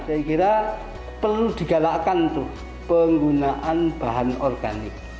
saya kira perlu digalakkan tuh penggunaan bahan organik